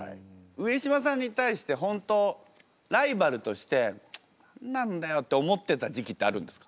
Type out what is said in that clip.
上島さんに対して本当ライバルとして「チッ何なんだよ！」って思ってた時期ってあるんですか？